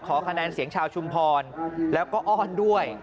คะแนนเสียงชาวชุมพรแล้วก็อ้อนด้วย